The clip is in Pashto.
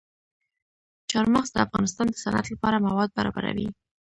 چار مغز د افغانستان د صنعت لپاره مواد برابروي.